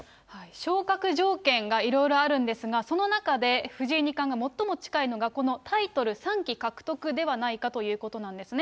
昇格条件がいろいろあるんですが、その中で藤井二冠が最も近いのが、このタイトル３期獲得ではないかということなんですね。